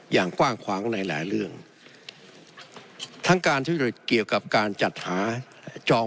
อย่างกว้างขวางในหลายเรื่องทั้งการทุจริตเกี่ยวกับการจัดหาจอง